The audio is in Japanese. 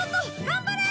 頑張れ！